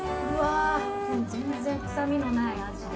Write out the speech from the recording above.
全然臭みのないアジで。